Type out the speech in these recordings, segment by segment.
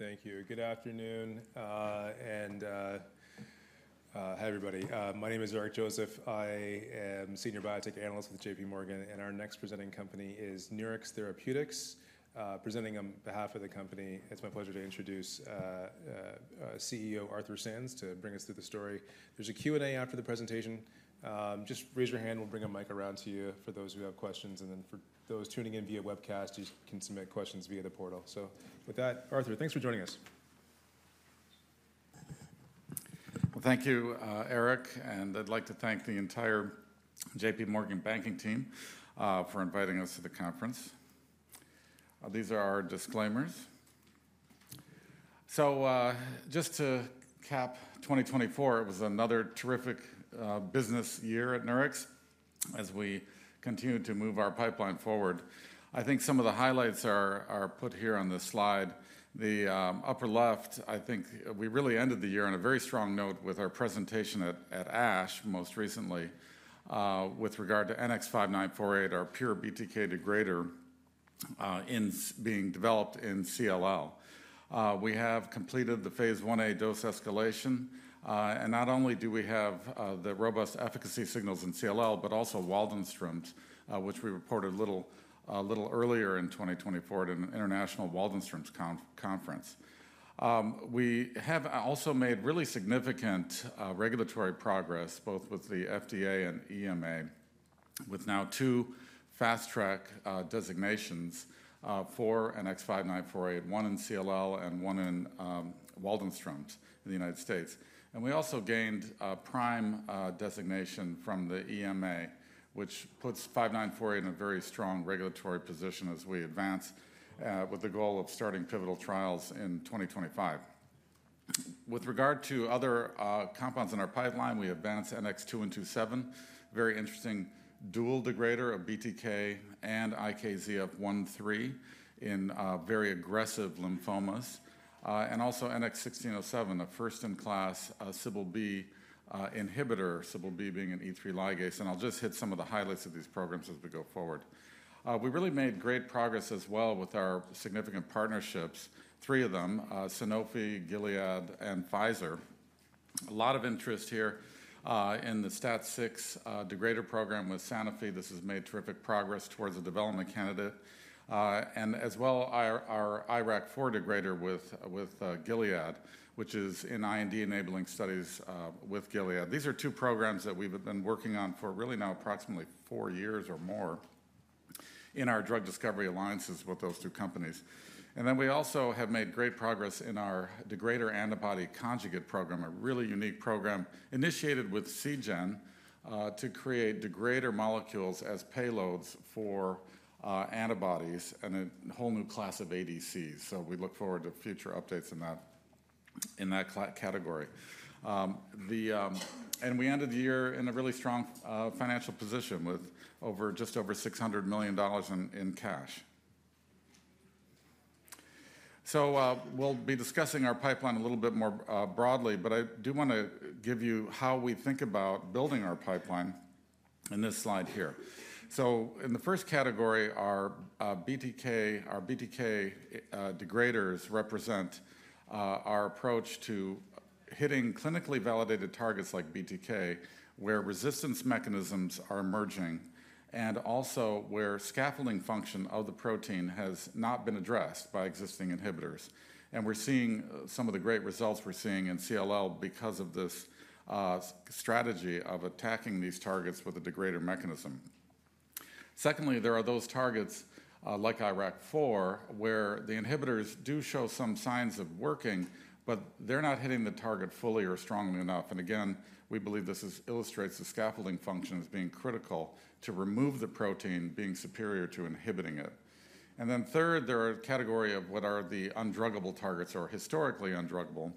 All right, thank you. Good afternoon and hi, everybody. My name is Eric Joseph. I am Senior Biotech Analyst with J.P. Morgan. Our next presenting company is Nurix Therapeutics, presenting on behalf of the company. It's my pleasure to introduce CEO Arthur Sands to bring us through the story. There's a Q&A after the presentation. Just raise your hand. We'll bring a mic around to you for those who have questions. Then for those tuning in via webcast, you can submit questions via the portal. With that, Arthur Sands, thanks for joining us. Thank you, Eric Joseph. I'd like to thank the entire J.P. Morgan banking team for inviting us to the conference. These are our disclaimers. Just to cap 2024, it was another terrific business year at Nurix Therapeutics as we continue to move our pipeline forward. I think some of the highlights are put here on this slide. The upper left, I think we really ended the year on a very strong note with our presentation at ASH most recently with regard to NX-5948, our pure BTK degrader being developed in CLL. We have completed the phase Ia dose escalation. Not only do we have the robust efficacy signals in CLL, but also Waldenström's, which we reported a little earlier in 2024 at an international Waldenström's conference. We have also made really significant regulatory progress, both with the FDA and EMA, with now two Fast Track designations for NX-5948, one in CLL and one in Waldenström's in the United States. And we also gained PRIME designation from the EMA, which puts 5948 in a very strong regulatory position as we advance with the goal of starting pivotal trials in 2025. With regard to other compounds in our pipeline, we advanced NX-2127, a very interesting dual degrader of BTK and IKZF1/3 in very aggressive lymphomas. And also NX-1607, a first-in-class CBL-B inhibitor, CBL-B being an E3 ligase. And I'll just hit some of the highlights of these programs as we go forward. We really made great progress as well with our significant partnerships, three of them, Sanofi, Gilead, and Pfizer. A lot of interest here in the STAT6 degrader program with Sanofi. This has made terrific progress towards a development candidate. And as well, our IRAK4 degrader with Gilead, which is in IND-enabling studies with Gilead. These are two programs that we've been working on for really now approximately four years or more in our drug discovery alliances with those two companies. And then we also have made great progress in our Degrader Antibody Conjugate Program, a really unique program initiated with Seagen to create degrader molecules as payloads for antibodies and a whole new class of ADCs. So we look forward to future updates in that category. And we ended the year in a really strong financial position with just over $600 million in cash. So we'll be discussing our pipeline a little bit more broadly, but I do want to give you how we think about building our pipeline in this slide here. So in the first category, our BTK degraders represent our approach to hitting clinically validated targets like BTK, where resistance mechanisms are emerging, and also where scaffolding function of the protein has not been addressed by existing inhibitors. And we're seeing some of the great results we're seeing in CLL because of this strategy of attacking these targets with a degrader mechanism. Secondly, there are those targets like IRAK4 where the inhibitors do show some signs of working, but they're not hitting the target fully or strongly enough. And again, we believe this illustrates the scaffolding function as being critical to remove the protein being superior to inhibiting it. And then third, there are a category of what are the undruggable targets or historically undruggable.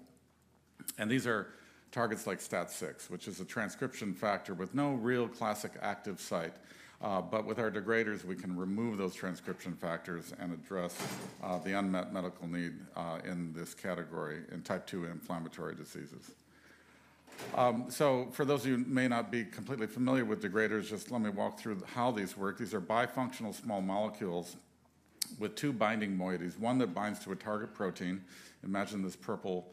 And these are targets like STAT6, which is a transcription factor with no real classic active site. But with our degraders, we can remove those transcription factors and address the unmet medical need in this category in type 2 inflammatory diseases. So for those of you who may not be completely familiar with degraders, just let me walk through how these work. These are bifunctional small molecules with two binding moieties, one that binds to a target protein, imagine this purple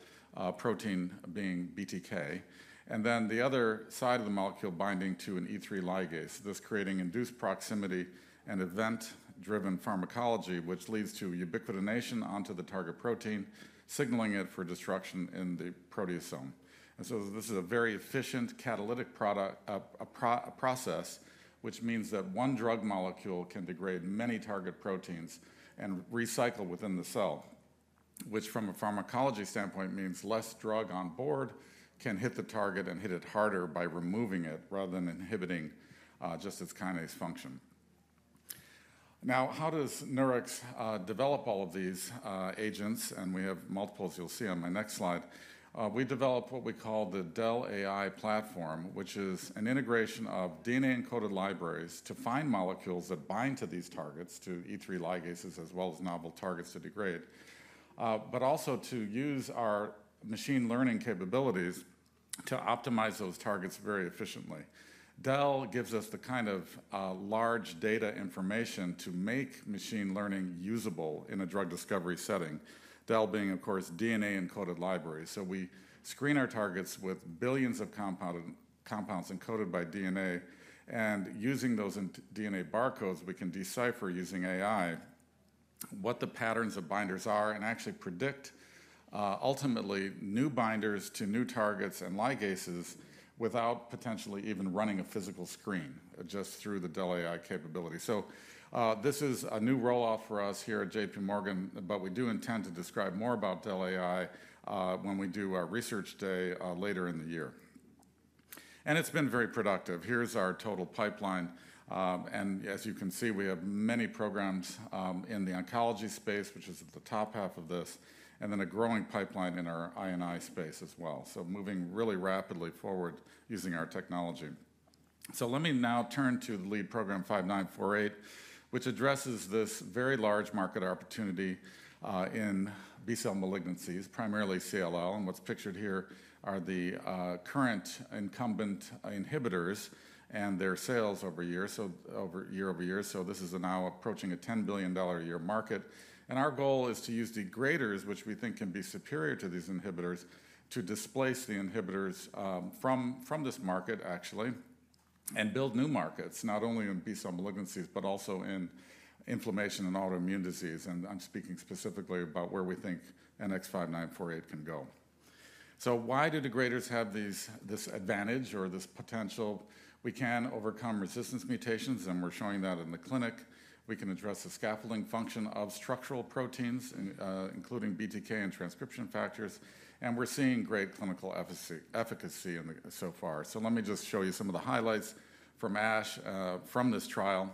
protein being BTK, and then the other side of the molecule binding to an E3 ligase, thus creating induced proximity and event-driven pharmacology, which leads to ubiquitination onto the target protein, signaling it for destruction in the proteasome. And so this is a very efficient catalytic process, which means that one drug molecule can degrade many target proteins and recycle within the cell, which from a pharmacology standpoint means less drug on board can hit the target and hit it harder by removing it rather than inhibiting just its kinase function. Now, how does Nurix develop all of these agents? And we have multiple as you'll see on my next slide. We develop what we call the DEL-AI platform, which is an integration of DNA-encoded libraries to find molecules that bind to these targets, to E3 ligases as well as novel targets to degrade, but also to use our machine learning capabilities to optimize those targets very efficiently. DEL gives us the kind of large data information to make machine learning usable in a drug discovery setting, DEL being, of course, DNA-encoded libraries. So we screen our targets with billions of compounds encoded by DNA. And using those DNA barcodes, we can decipher using AI what the patterns of binders are and actually predict ultimately new binders to new targets and ligases without potentially even running a physical screen just through the DEL-AI capability. So this is a new rollout for us here at J.P. Morgan. But we do intend to describe more about DEL-AI when we do our research day later in the year. And it's been very productive. Here's our total pipeline. And as you can see, we have many programs in the oncology space, which is at the top half of this, and then a growing pipeline in our I&I space as well. So moving really rapidly forward using our technology. So let me now turn to the lead program NX-5948, which addresses this very large market opportunity in B-cell malignancies, primarily CLL. And what's pictured here are the current incumbent inhibitors and their sales over year over year. So this is now approaching a $10 billion a year market. And our goal is to use degraders, which we think can be superior to these inhibitors, to displace the inhibitors from this market, actually, and build new markets, not only in B-cell malignancies, but also in inflammation and autoimmune disease. And I'm speaking specifically about where we think NX-5948 can go. So why do degraders have this advantage or this potential? We can overcome resistance mutations, and we're showing that in the clinic. We can address the scaffolding function of structural proteins, including BTK and transcription factors. And we're seeing great clinical efficacy so far. Let me just show you some of the highlights from ASH from this trial.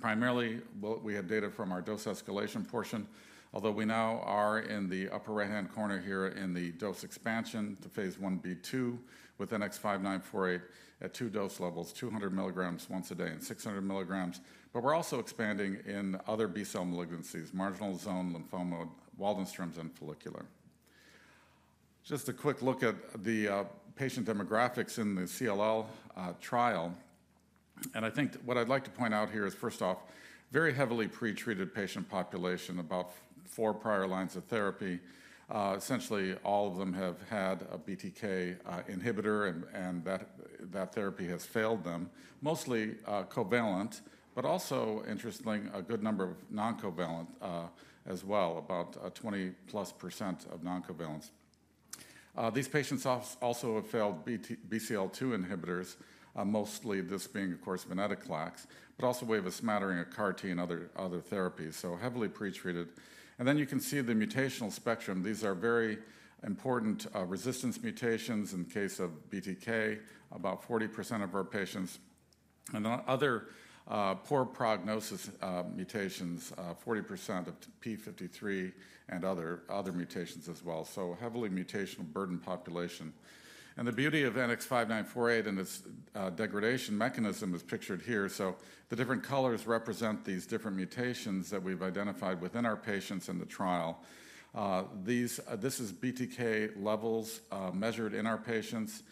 Primarily, we have data from our dose escalation portion, although we now are in the upper right-hand corner here in the dose expansion to phase Ib/2 with NX-5948 at two dose levels, 200 milligrams once a day and 600 milligrams, and we're also expanding in other B-cell malignancies, marginal zone lymphoma, Waldenström's, and follicular. Just a quick look at the patient demographics in the CLL trial. I think what I'd like to point out here is, first off, very heavily pretreated patient population, about four prior lines of therapy. Essentially, all of them have had a BTK inhibitor, and that therapy has failed them, mostly covalent, but also, interestingly, a good number of non-covalent as well, about 20+% of non-covalents. These patients also have failed BCL-2 inhibitors, mostly this being, of course, venetoclax, but also wave of smattering of CAR-T and other therapies, so heavily pretreated. And then you can see the mutational spectrum. These are very important resistance mutations in the case of BTK, about 40% of our patients, and other poor prognosis mutations, 40% of p53 and other mutations as well. So heavily mutational burden population. And the beauty of NX-5948 and its degradation mechanism is pictured here. So the different colors represent these different mutations that we've identified within our patients in the trial. This is BTK levels measured in our patients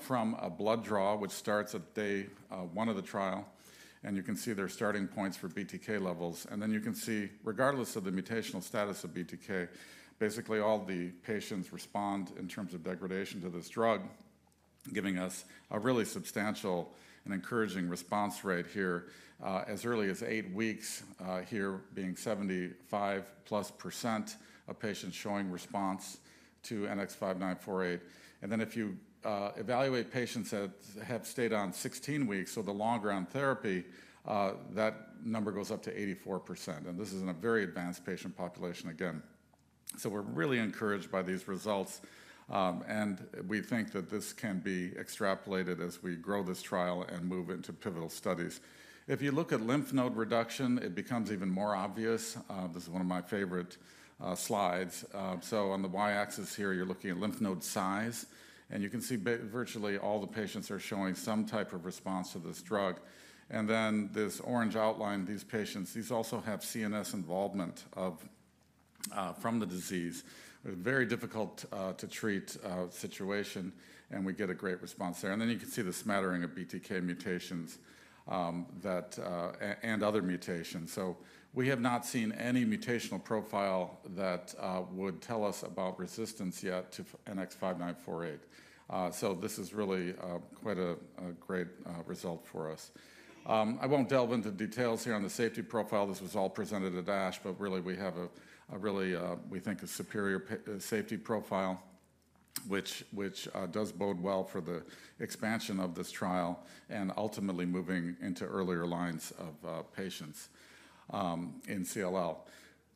from a blood draw, which starts at day one of the trial. And you can see their starting points for BTK levels. And then you can see, regardless of the mutational status of BTK, basically all the patients respond in terms of degradation to this drug, giving us a really substantial and encouraging response rate here as early as eight weeks, here being 75% plus of patients showing response to NX-5948. And then if you evaluate patients that have stayed on 16 weeks or the longer on therapy, that number goes up to 84%. And this is in a very advanced patient population, again. So we're really encouraged by these results. And we think that this can be extrapolated as we grow this trial and move into pivotal studies. If you look at lymph node reduction, it becomes even more obvious. This is one of my favorite slides. So on the Y-axis here, you're looking at lymph node size. You can see virtually all the patients are showing some type of response to this drug. Then this orange outline, these patients, these also have CNS involvement from the disease, a very difficult to treat situation. We get a great response there. Then you can see the smattering of BTK mutations and other mutations. We have not seen any mutational profile that would tell us about resistance yet to NX-5948. This is really quite a great result for us. I won't delve into details here on the safety profile. This was all presented at ASH, but really we have, we think, a superior safety profile, which does bode well for the expansion of this trial and ultimately moving into earlier lines of patients in CLL.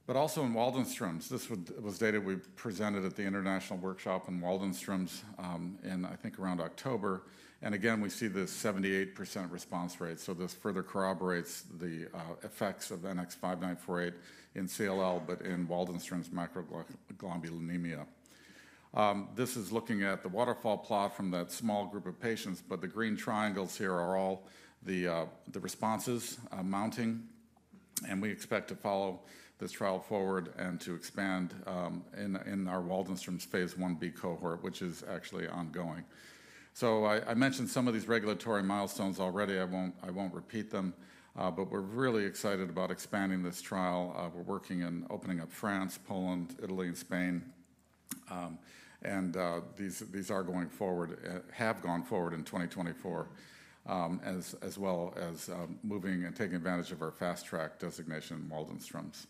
But also in Waldenström's, this was data we presented at the international workshop in Waldenström's in, I think, around October. And again, we see this 78% response rate. So this further corroborates the effects of NX-5948 in CLL, but in Waldenström's macroglobulinemia. This is looking at the waterfall plot from that small group of patients, but the green triangles here are all the responses mounting. And we expect to follow this trial forward and to expand in our Waldenström's phase IB cohort, which is actually ongoing. So I mentioned some of these regulatory milestones already. I won't repeat them, but we're really excited about expanding this trial. We're working in opening up France, Poland, Italy, and Spain. And these are going forward, have gone forward in 2024, as well as moving and taking advantage of our Fast Track designation in Waldenström's.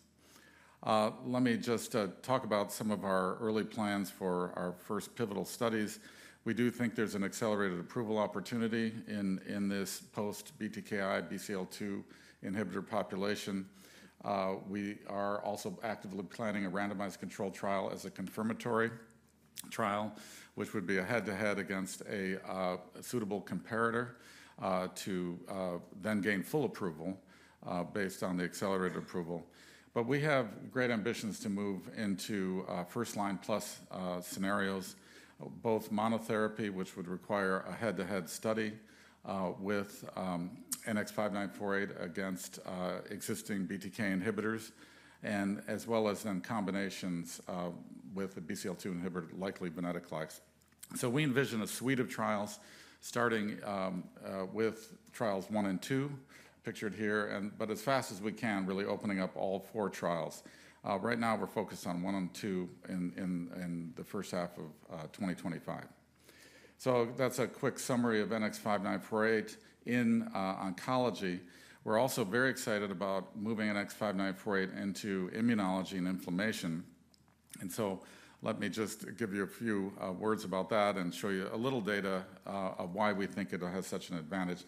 Let me just talk about some of our early plans for our first pivotal studies. We do think there's an accelerated approval opportunity in this post-BTKI BCL-2 inhibitor population. We are also actively planning a randomized control trial as a confirmatory trial, which would be a head-to-head against a suitable comparator to then gain full approval based on the accelerated approval. But we have great ambitions to move into first line plus scenarios, both monotherapy, which would require a head-to-head study with NX-5948 against existing BTK inhibitors, and as well as then combinations with a BCL-2 inhibitor, likely venetoclax. So we envision a suite of trials starting with trials one and two pictured here, but as fast as we can, really opening up all four trials. Right now, we're focused on one and two in the first half of 2025. So that's a quick summary of NX-5948 in oncology. We're also very excited about moving NX-5948 into immunology and inflammation. And so let me just give you a few words about that and show you a little data of why we think it has such an advantage.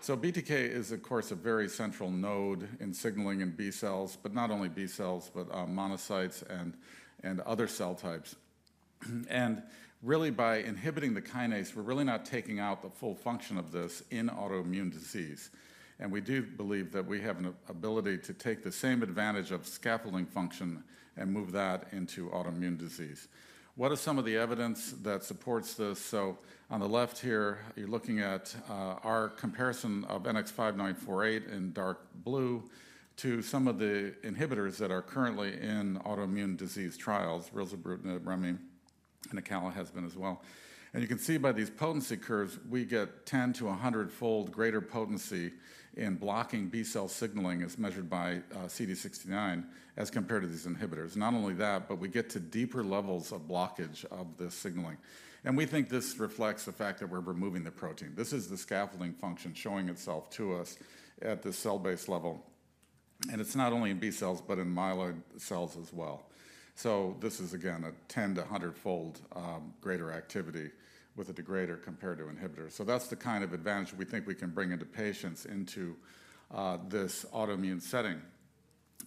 So BTK is, of course, a very central node in signaling in B-cells, but not only B-cells, but monocytes and other cell types. And really, by inhibiting the kinase, we're really not taking out the full function of this in autoimmune disease. And we do believe that we have an ability to take the same advantage of scaffolding function and move that into autoimmune disease. What are some of the evidence that supports this? So on the left here, you're looking at our comparison of NX-5948 in dark blue to some of the inhibitors that are currently in autoimmune disease trials, rilzabrutinib, evobrutinib, and acalabrutinib as well. You can see by these potency curves; we get 10- to 100-fold greater potency in blocking B-cell signaling as measured by CD69 as compared to these inhibitors. Not only that, but we get to deeper levels of blockage of this signaling. We think this reflects the fact that we're removing the protein. This is the scaffolding function showing itself to us at the cellular level. It's not only in B-cells, but in myeloid cells as well. This is, again, a 10- to 100-fold greater activity with a degrader compared to inhibitor. That's the kind of advantage we think we can bring into patients into this autoimmune setting.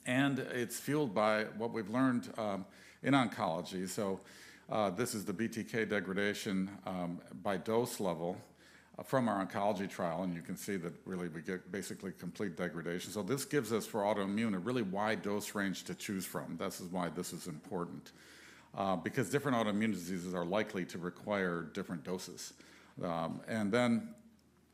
It's fueled by what we've learned in oncology. This is the BTK degradation by dose level from our oncology trial. You can see that really we get basically complete degradation. So this gives us, for autoimmune, a really wide dose range to choose from. This is why this is important, because different autoimmune diseases are likely to require different doses. And then,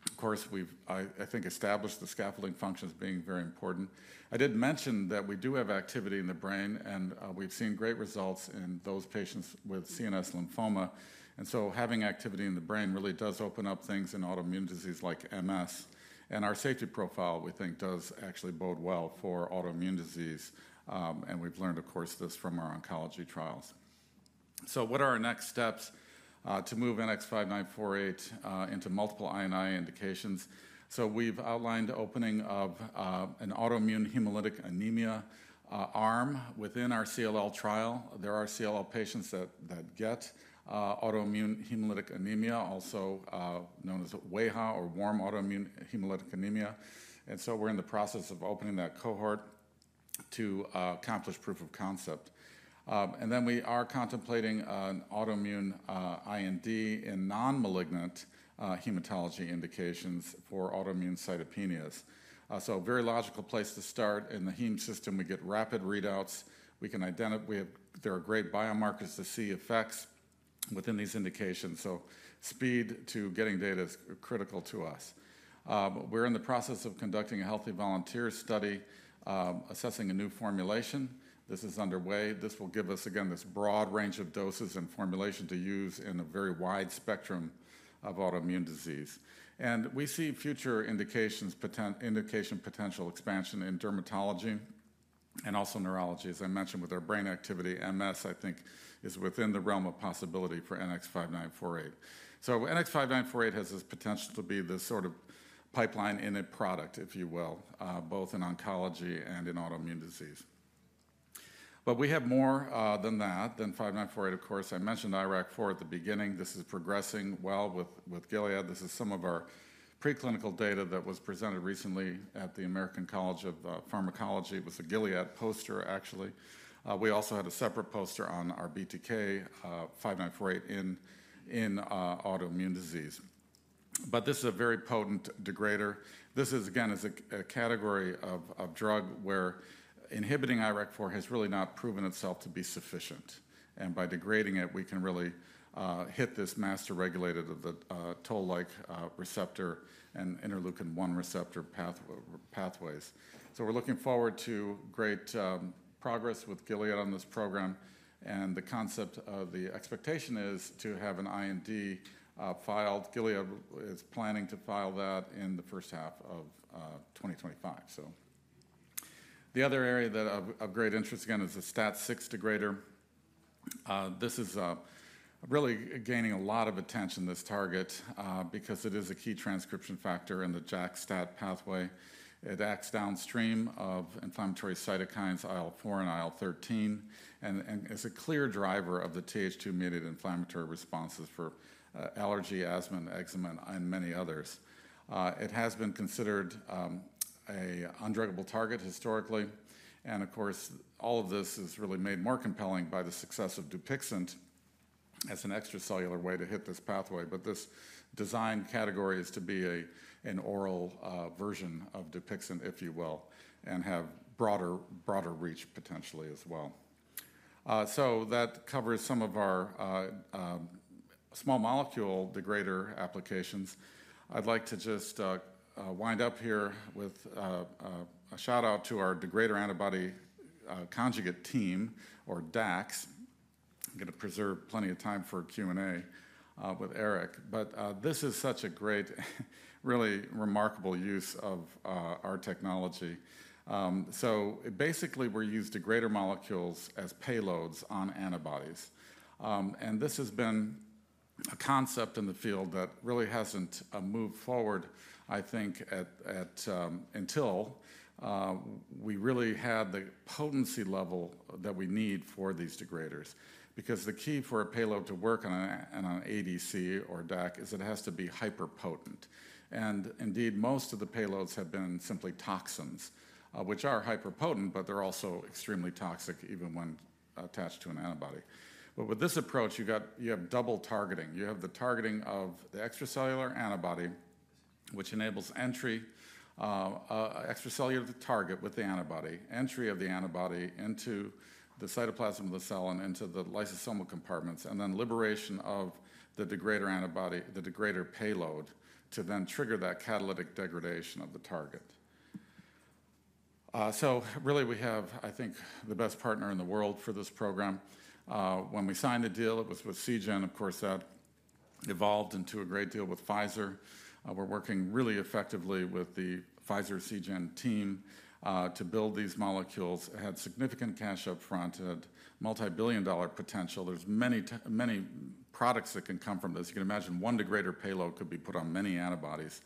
of course, I think established the scaffolding function as being very important. I did mention that we do have activity in the brain, and we've seen great results in those patients with CNS lymphoma. And so having activity in the brain really does open up things in autoimmune disease like MS. And our safety profile, we think, does actually bode well for autoimmune disease. And we've learned, of course, this from our oncology trials. So what are our next steps to move NX-5948 into multiple B-cell indications? So we've outlined opening of an autoimmune hemolytic anemia arm within our CLL trial. There are CLL patients that get autoimmune hemolytic anemia, also known as WAHA or warm autoimmune hemolytic anemia, and so we're in the process of opening that cohort to accomplish proof of concept, and then we are contemplating an autoimmune IND in non-malignant hematology indications for autoimmune cytopenias, so a very logical place to start. In the heme system, we get rapid readouts. There are great biomarkers to see effects within these indications, so speed to getting data is critical to us. We're in the process of conducting a healthy volunteer study assessing a new formulation. This is underway. This will give us, again, this broad range of doses and formulation to use in a very wide spectrum of autoimmune disease, and we see future indication potential expansion in dermatology and also neurology. As I mentioned, with our BTK activity, MS, I think, is within the realm of possibility for NX-5948, so NX-5948 has this potential to be this sort of pipeline in a product, if you will, both in oncology and in autoimmune disease, but we have more than that, than NX-5948, of course. I mentioned IRAK4 at the beginning. This is progressing well with Gilead. This is some of our preclinical data that was presented recently at the American College of Clinical Pharmacology. It was a Gilead poster, actually. We also had a separate poster on our BTK NX-5948 in autoimmune disease, but this is a very potent degrader. This is, again, a category of drug where inhibiting IRAK4 has really not proven itself to be sufficient, and by degrading it, we can really hit this master regulator of the toll-like receptor and interleukin-1 receptor pathways. We're looking forward to great progress with Gilead on this program. The concept of the expectation is to have an IND filed. Gilead is planning to file that in the first half of 2025. The other area of great interest, again, is the STAT6 degrader. This is really gaining a lot of attention, this target, because it is a key transcription factor in the JAK-STAT pathway. It acts downstream of inflammatory cytokines, IL-4 and IL-13, and is a clear driver of the TH2-mediated inflammatory responses for allergy, asthma, and eczema, and many others. It has been considered an undruggable target historically. Of course, all of this is really made more compelling by the success of Dupixent as an extracellular way to hit this pathway. This design category is to be an oral version of Dupixent, if you will, and have broader reach potentially as well. So that covers some of our small molecule degrader applications. I'd like to just wind up here with a shout-out to our degrader antibody conjugate team, or DACs. I'm going to preserve plenty of time for Q&A with Eric Joseph. But this is such a great, really remarkable use of our technology. So basically, we're using degrader molecules as payloads on antibodies. And this has been a concept in the field that really hasn't moved forward, I think, until we really had the potency level that we need for these degraders. Because the key for a payload to work on an ADC or DAC is it has to be hyperpotent. And indeed, most of the payloads have been simply toxins, which are hyperpotent, but they're also extremely toxic even when attached to an antibody. But with this approach, you have double targeting. You have the targeting of the extracellular antibody, which enables entry extracellular to target with the antibody, entry of the antibody into the cytoplasm of the cell and into the lysosomal compartments, and then liberation of the degrader antibody, the degrader payload, to then trigger that catalytic degradation of the target. So really, we have, I think, the best partner in the world for this program. When we signed the deal, it was with Seagen, of course, that evolved into a great deal with Pfizer. We're working really effectively with the Pfizer Seagen team to build these molecules. It had significant cash upfront. It had multi-billion dollar potential. There's many products that can come from this. You can imagine one degrader payload could be put on many antibodies.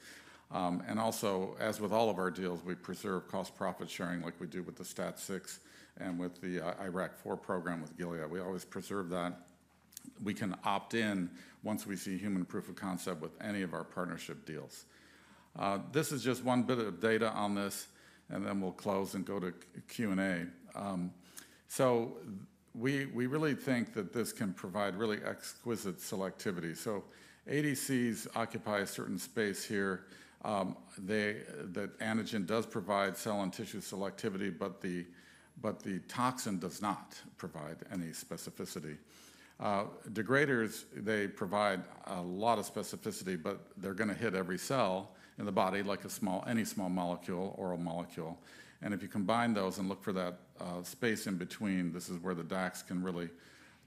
Also, as with all of our deals, we preserve cost-profit sharing like we do with the STAT6 and with the IRAK4 program with Gilead. We always preserve that. We can opt in once we see human proof of concept with any of our partnership deals. This is just one bit of data on this, and then we'll close and go to Q&A. We really think that this can provide really exquisite selectivity. ADCs occupy a certain space here. The antigen does provide cell and tissue selectivity, but the toxin does not provide any specificity. Degraders, they provide a lot of specificity, but they're going to hit every cell in the body like any small molecule, oral molecule. If you combine those and look for that space in between, this is where the DACs can really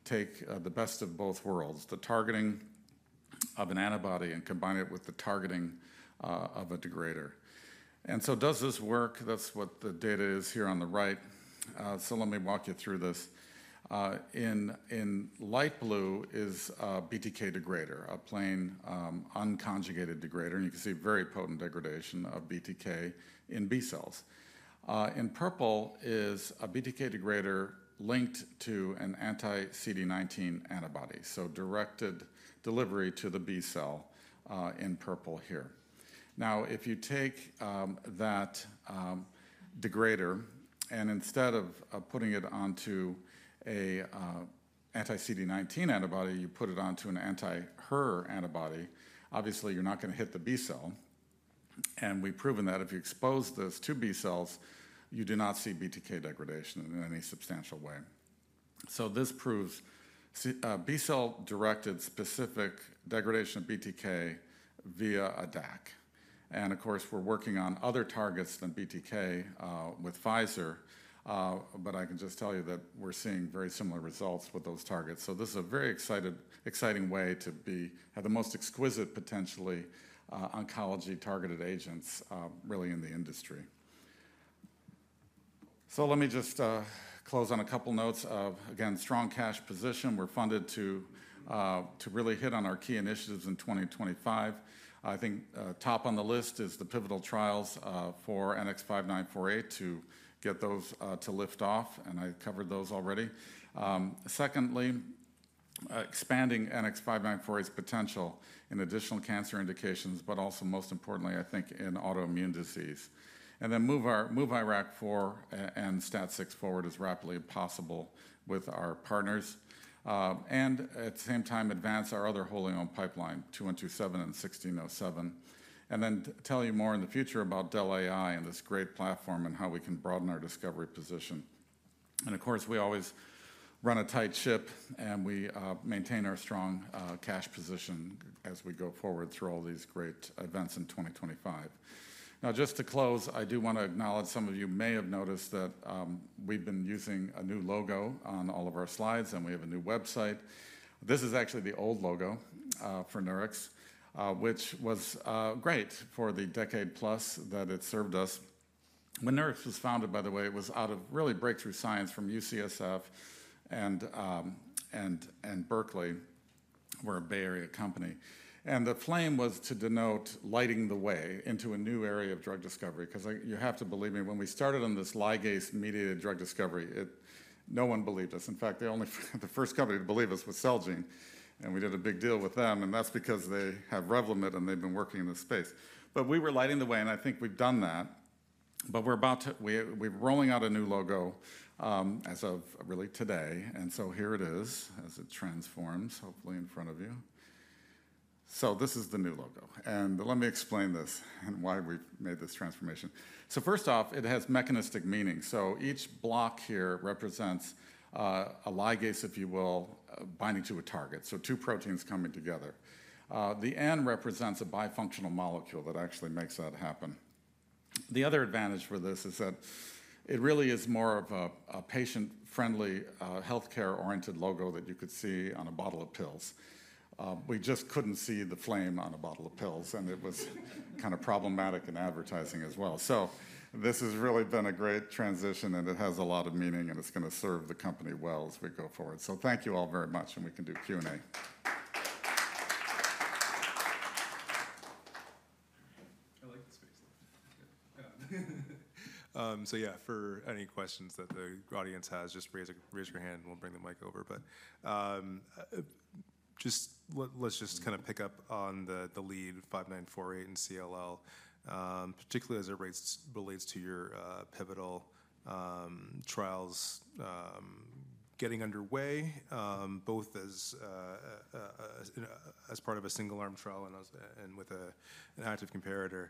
take the best of both worlds, the targeting of an antibody and combine it with the targeting of a degrader. Does this work? That's what the data is here on the right. Let me walk you through this. In light blue is a BTK degrader, a plain unconjugated degrader. You can see very potent degradation of BTK in B-cells. In purple is a BTK degrader linked to an anti-CD19 antibody, so directed delivery to the B-cell in purple here. Now, if you take that degrader, and instead of putting it onto an anti-CD19 antibody, you put it onto an anti-HER antibody, obviously, you're not going to hit the B-cell. We've proven that if you expose this to B-cells, you do not see BTK degradation in any substantial way. So this proves B-cell-directed specific degradation of BTK via a DAC. Of course, we're working on other targets than BTK with Pfizer. But I can just tell you that we're seeing very similar results with those targets. This is a very exciting way to have the most exquisite, potentially, oncology-targeted agents really in the industry. Let me just close on a couple of notes of, again, strong cash position. We're funded to really hit on our key initiatives in 2025. I think top on the list is the pivotal trials for NX-5948 to get those to lift off. I covered those already. Secondly, expanding NX-5948's potential in additional cancer indications, but also most importantly, I think, in autoimmune disease. And then move IRAK4 and STAT6 forward as rapidly as possible with our partners. And at the same time, advance our other wholly-owned pipeline, NX-2127 and NX-1607. And then tell you more in the future about DEL AI and this great platform and how we can broaden our discovery position. And of course, we always run a tight ship, and we maintain our strong cash position as we go forward through all these great events in 2025. Now, just to close, I do want to acknowledge some of you may have noticed that we've been using a new logo on all of our slides, and we have a new website. This is actually the old logo for Nurix, which was great for the decade plus that it served us. When Nurix was founded, by the way, it was out of really breakthrough science from UCSF and Berkeley, where a Bay Area company. And the flame was to denote lighting the way into a new area of drug discovery. Because you have to believe me, when we started on this ligase-mediated drug discovery, no one believed us. In fact, the first company to believe us was Celgene. And we did a big deal with them. And that's because they have Revlimid, and they've been working in this space. But we were lighting the way, and I think we've done that. But we're rolling out a new logo as of really today. And so here it is as it transforms, hopefully in front of you. So this is the new logo. And let me explain this and why we've made this transformation. So first off, it has mechanistic meaning. So each block here represents a ligase, if you will, binding to a target. So two proteins coming together. The N represents a bifunctional molecule that actually makes that happen. The other advantage for this is that it really is more of a patient-friendly, healthcare-oriented logo that you could see on a bottle of pills. We just couldn't see the flame on a bottle of pills, and it was kind of problematic in advertising as well. So this has really been a great transition, and it has a lot of meaning, and it's going to serve the company well as we go forward. So thank you all very much, and we can do Q&A. I like the space. So yeah, for any questions that the audience has, just raise your hand, and we'll bring the mic over. But let's just kind of pick up on the NX-5948 and CLL, particularly as it relates to your pivotal trials getting underway, both as part of a single-arm trial and with an active comparator.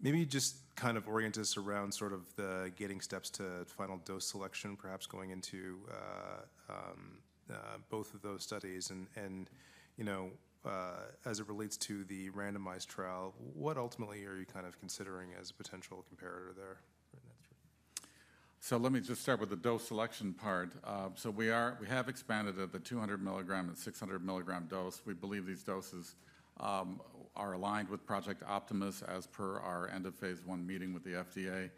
Maybe just kind of orient us around sort of the getting steps to final dose selection, perhaps going into both of those studies. And as it relates to the randomized trial, what ultimately are you kind of considering as a potential comparator there? Let me just start with the dose selection part. We have expanded at the 200 milligram and 600 milligram dose. We believe these doses are aligned with Project Optimus as per our end of phase one meeting with the FDA.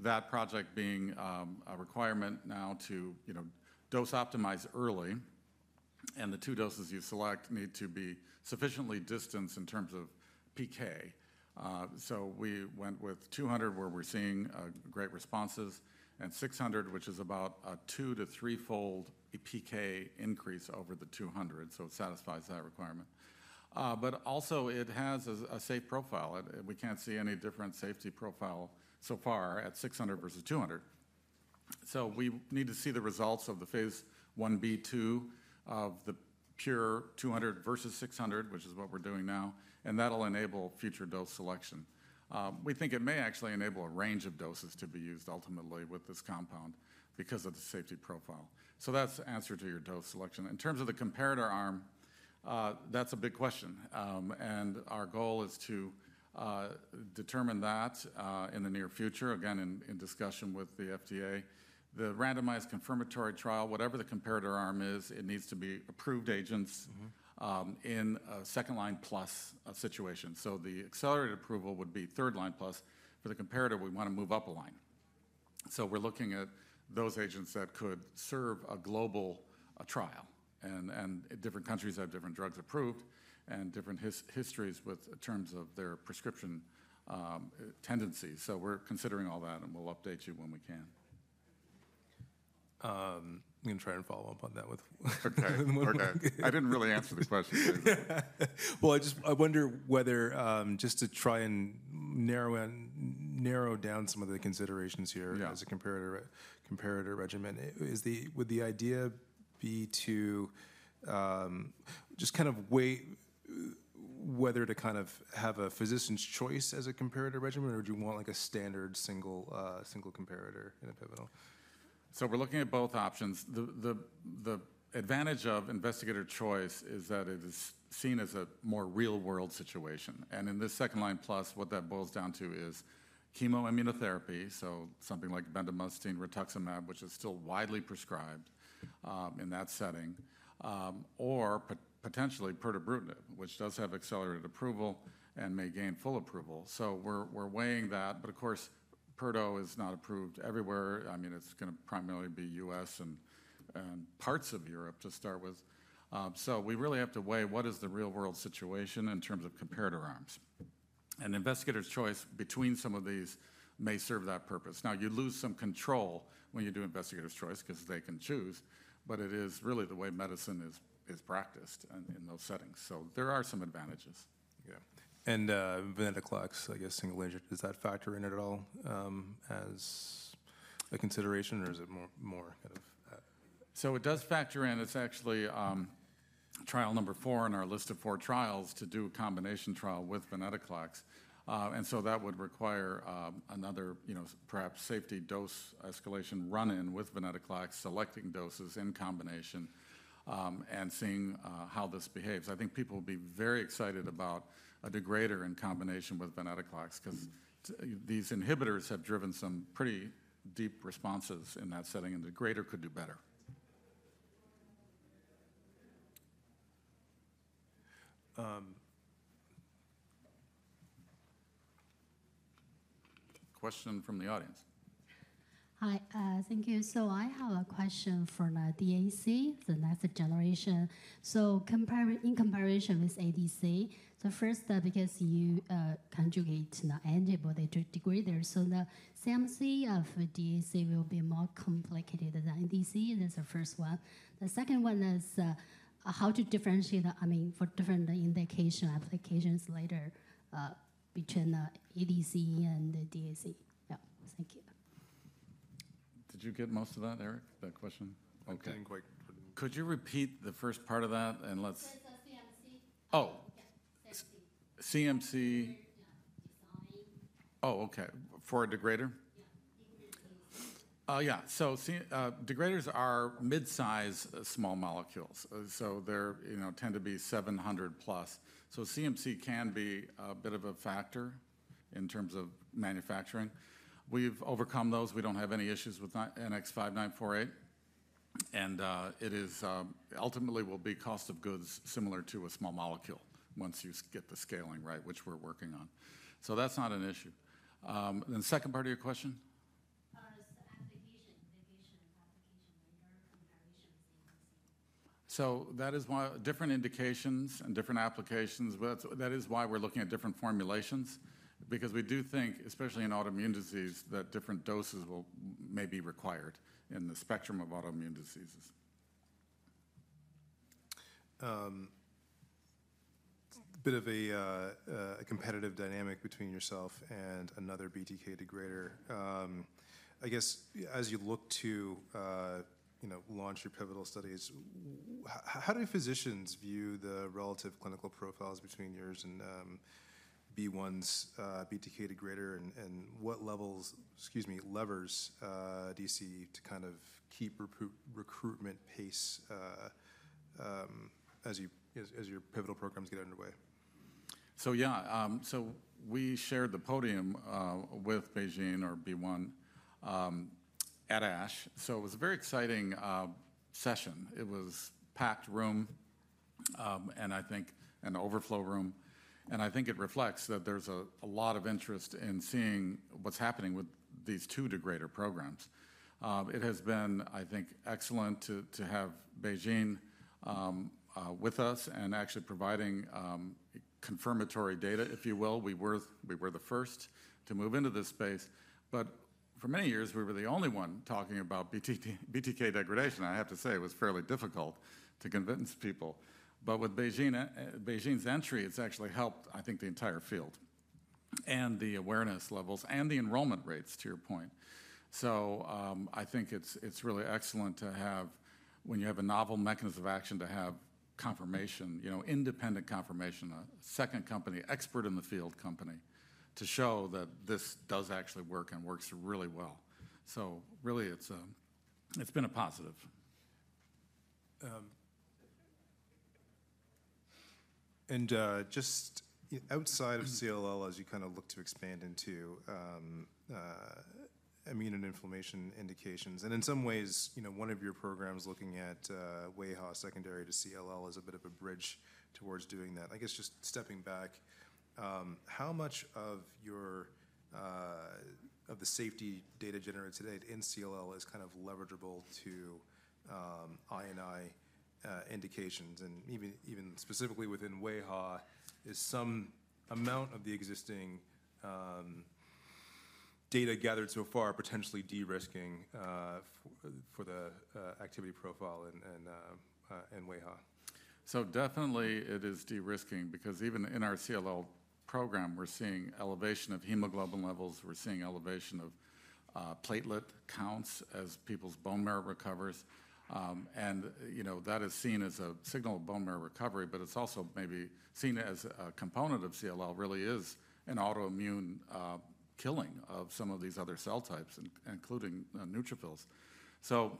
That project being a requirement now to dose optimize early, and the two doses you select need to be sufficiently distanced in terms of PK. We went with 200, where we're seeing great responses, and 600, which is about a two to threefold PK increase over the 200. It satisfies that requirement. But also, it has a safe profile. We can't see any different safety profile so far at 600 versus 200. We need to see the results of the phase Ib/2 of the pure 200 versus 600, which is what we're doing now, and that'll enable future dose selection. We think it may actually enable a range of doses to be used ultimately with this compound because of the safety profile, so that's the answer to your dose selection. In terms of the comparator arm, that's a big question, and our goal is to determine that in the near future, again, in discussion with the FDA. The randomized confirmatory trial, whatever the comparator arm is, it needs to be approved agents in a second-line plus situation, so the accelerated approval would be third-line plus. For the comparator, we want to move up a line, so we're looking at those agents that could serve a global trial, and different countries have different drugs approved and different histories in terms of their prescription tendencies, so we're considering all that, and we'll update you when we can. I'm going to try and follow up on that with. Okay. I didn't really answer the question. I wonder whether, just to try and narrow down some of the considerations here as a comparator regimen, would the idea be to just kind of weigh whether to kind of have a physician's choice as a comparator regimen, or do you want like a standard single comparator in a pivotal? We're looking at both options. The advantage of investigator's choice is that it is seen as a more real-world situation. In this second-line plus, what that boils down to is chemoimmunotherapy, so something like bendamustine, rituximab, which is still widely prescribed in that setting, or potentially pirtobrutinib, which does have accelerated approval and may gain full approval. We're weighing that. Of course, pirtobrutinib is not approved everywhere. I mean, it's going to primarily be U.S. and parts of Europe to start with. We really have to weigh what is the real-world situation in terms of comparator arms. Investigator's choice between some of these may serve that purpose. Now, you lose some control when you do investigator's choice because they can choose, but it is really the way medicine is practiced in those settings. There are some advantages. Yeah. And venetoclax's, I guess, single agent, does that factor in at all as a consideration, or is it more kind of? So it does factor in. It's actually trial number four on our list of four trials to do a combination trial with venetoclax. And so that would require another perhaps safety dose escalation run-in with venetoclax, selecting doses in combination and seeing how this behaves. I think people will be very excited about a degrader in combination with venetoclax because these inhibitors have driven some pretty deep responses in that setting, and the degrader could do better. Question from the audience. Hi. Thank you. So I have a question for the DAC, the next generation. So in comparison with ADC, the first step, because you conjugate the antibody to degrader, so the CMC of DAC will be more complicated than ADC. That's the first one. The second one is how to differentiate for different indication applications later between ADC and the DAC? Yeah. Thank you. Did you get most of that, Eric Joseph, that question? I didn't quite hear you. Could you repeat the first part of that? It says CMC. Oh. CMC. CMC Oh, okay. For a degrader? Yeah. Yeah. So degraders are mid-size small molecules. So they tend to be 700+. So CMC can be a bit of a factor in terms of manufacturing. We've overcome those. We don't have any issues with NX-5948. And it ultimately will be cost of goods similar to a small molecule once you get the scaling right, which we're working on. So that's not an issue. And the second part of your question? As application, indication, application later comparison CMC. So that is why different indications and different applications, that is why we're looking at different formulations, because we do think, especially in autoimmune disease, that different doses may be required in the spectrum of autoimmune diseases. A bit of a competitive dynamic between yourself and another BTK degrader. I guess as you look to launch your pivotal studies, how do physicians view the relative clinical profiles between yours and BeiGene's BTK degrader? And what levels, excuse me, levers do you see to kind of keep recruitment pace as your pivotal programs get underway? Yeah. We shared the podium with BeiGene at ASH. It was a very exciting session. It was a packed room and an overflow room. I think it reflects that there's a lot of interest in seeing what's happening with these two degrader programs. It has been, I think, excellent to have BeiGene with us and actually providing confirmatory data, if you will. We were the first to move into this space. But for many years, we were the only one talking about BTK degradation. I have to say it was fairly difficult to convince people. But with BeiGene's entry, it's actually helped, I think, the entire field and the awareness levels and the enrollment rates, to your point. I think it's really excellent to have, when you have a novel mechanism of action, to have confirmation, independent confirmation, a second company, expert in the field company to show that this does actually work and works really well. Really, it's been a positive. Just outside of CLL, as you kind of look to expand into immune and inflammation indications, and in some ways, one of your programs looking at warm AIHA secondary to CLL is a bit of a bridge towards doing that. I guess just stepping back, how much of the safety data generated today in CLL is kind of leverageable to I&I indications? And even specifically within warm AIHA, is some amount of the existing data gathered so far potentially de-risking for the activity profile in warm AIHA? So definitely it is de-risking because even in our CLL program, we're seeing elevation of hemoglobin levels. We're seeing elevation of platelet counts as people's bone marrow recovers. And that is seen as a signal of bone marrow recovery, but it's also maybe seen as a component of CLL really is an autoimmune killing of some of these other cell types, including neutrophils. So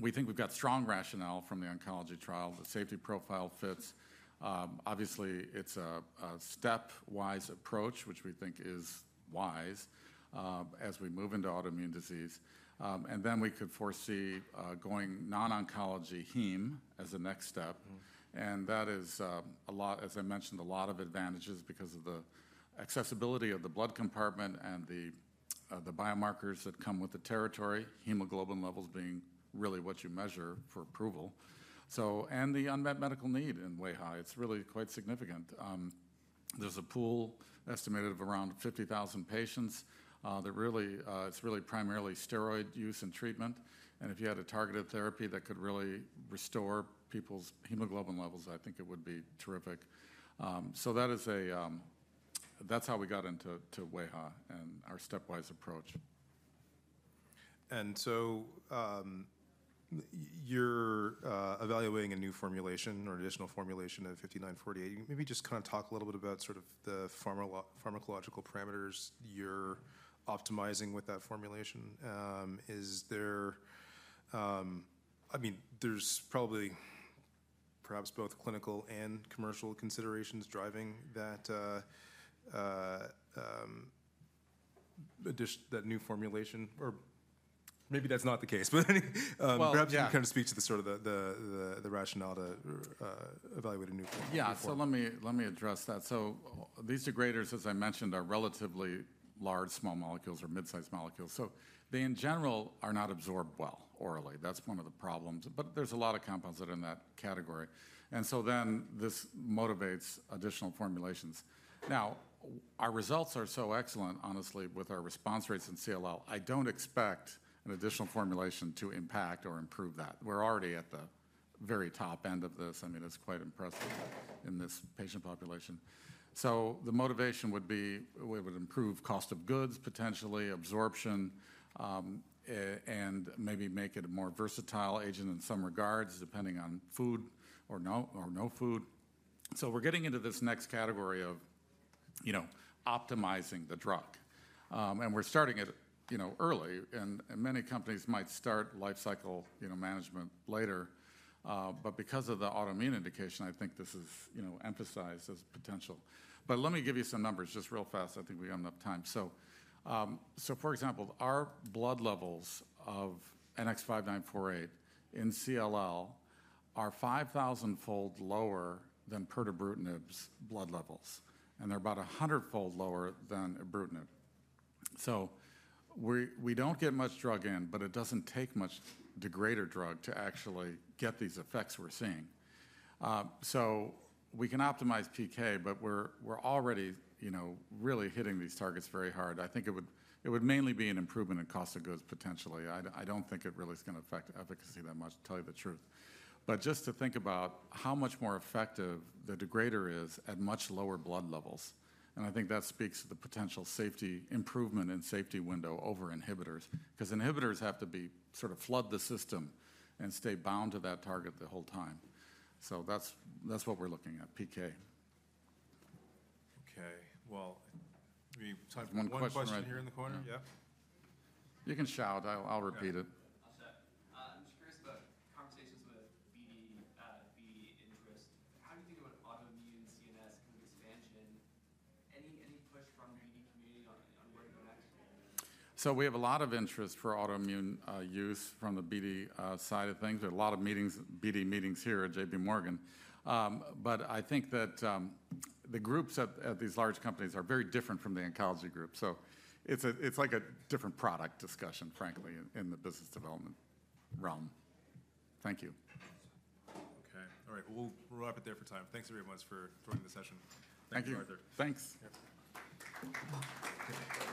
we think we've got strong rationale from the oncology trial. The safety profile fits. Obviously, it's a stepwise approach, which we think is wise as we move into autoimmune disease. And then we could foresee going non-oncology heme as a next step. And that is, as I mentioned, a lot of advantages because of the accessibility of the blood compartment and the biomarkers that come with the territory, hemoglobin levels being really what you measure for approval. And the unmet medical need in warm AIHA. It's really quite significant. There's a pool estimated of around 50,000 patients. It's really primarily steroid use and treatment. And if you had a targeted therapy that could really restore people's hemoglobin levels, I think it would be terrific. So that's how we got into WAHA and our stepwise approach. And so you're evaluating a new formulation or additional formulation of NX-5948. Maybe just kind of talk a little bit about sort of the pharmacological parameters you're optimizing with that formulation. I mean, there's probably perhaps both clinical and commercial considerations driving that new formulation. Or maybe that's not the case, but perhaps you can kind of speak to the sort of rationale to evaluate a new formulation. Yeah. So let me address that. So these degraders, as I mentioned, are relatively large small molecules or mid-size molecules. So they, in general, are not absorbed well orally. That's one of the problems. But there's a lot of compounds that are in that category. And so then this motivates additional formulations. Now, our results are so excellent, honestly, with our response rates in CLL. I don't expect an additional formulation to impact or improve that. We're already at the very top end of this. I mean, it's quite impressive in this patient population. So the motivation would be we would improve cost of goods, potentially absorption, and maybe make it a more versatile agent in some regards, depending on food or no food. So we're getting into this next category of optimizing the drug. And we're starting it early. And many companies might start life cycle management later. Because of the autoimmune indication, I think this is emphasized as potential. But let me give you some numbers just real fast. I think we have enough time. For example, our blood levels of NX-5948 in CLL are 5,000-fold lower than pirtobrutinib's blood levels. And they're about 100-fold lower than ibrutinib. So we don't get much drug in, but it doesn't take much degrader drug to actually get these effects we're seeing. So we can optimize PK, but we're already really hitting these targets very hard. I think it would mainly be an improvement in cost of goods, potentially. I don't think it really is going to affect efficacy that much, to tell you the truth. But just to think about how much more effective the degrader is at much lower blood levels. I think that speaks to the potential improvement in safety window over inhibitors because inhibitors have to sort of flood the system and stay bound to that target the whole time. That's what we're looking at, PK. Okay. Well, we talked about one question here in the corner. One question? Yeah. You can shout. I'll repeat it. I'm just curious about conversations with BD interest. How do you think about autoimmune CNS kind of expansion? Any push from the BD community on where to go next? So we have a lot of interest for autoimmune use from the BD side of things. There are a lot of BD meetings here at J.P. Morgan. But I think that the groups at these large companies are very different from the oncology group. So it's like a different product discussion, frankly, in the business development realm. Thank you. Okay. All right. We'll wrap it there for time. Thanks everyone much for joining the session. Thank you. Thank you, Arthur. Thanks. Yeah.